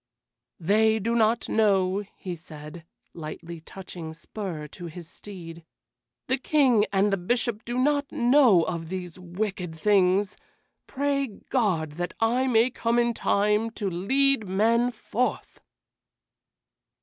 "They do not know," he said, lightly touching spur to his steed. "The King and the Bishop do not know of these wicked things. Pray God that I may come in time to lead men forth!"